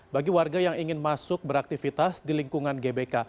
bagi warga yang ingin masuk beraktivitas di lingkungan gbk